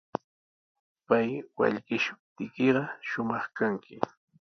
Pay wallkishuptiykiqa shumaq tranki.